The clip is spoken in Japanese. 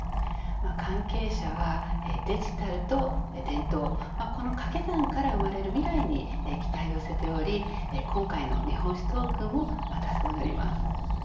関係者はデジタルと伝統この掛け算から生まれる未来に期待を寄せており今回の日本酒トークンもまた、そうなります。